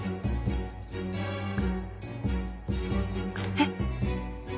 えっ？